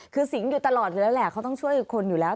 คือสิงอยู่ตลอดอยู่แล้วแหละเขาต้องช่วยคนอยู่แล้ว